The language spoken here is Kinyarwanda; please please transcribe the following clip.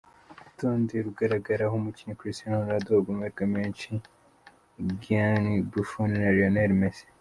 Urutonde rugaragaraho umukinnyi Cristiano Ronaldo uhabwa amahirwe menshi, Gianluigui Buffon na Lionnel Messi.